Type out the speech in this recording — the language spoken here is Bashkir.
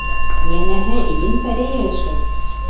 Йәнәһе, ен-пәрей эйәләшкән.